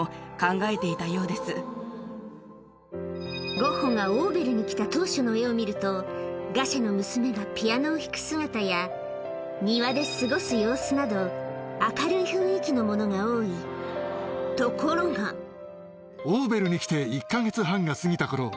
ゴッホがオーヴェルに来た当初の絵を見るとガシェの娘がピアノを弾く姿や庭で過ごす様子など明るい雰囲気のものが多いところが「この先」